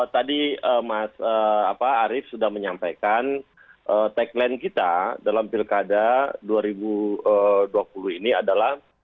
tadi mas arief sudah menyampaikan tagline kita dalam pilkada dua ribu dua puluh ini adalah